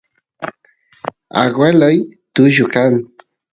agueloy tullu kan